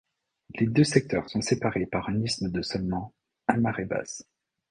Les deux secteurs sont séparés par un isthme de seulement à marée basse.